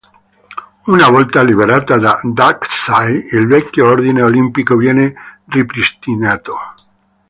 Una volta liberata da Darkside, il vecchio ordine olimpico viene ripristinato.